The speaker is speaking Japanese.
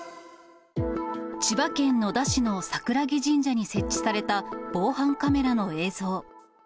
千葉県野田市の櫻木神社に設置された防犯カメラの映像。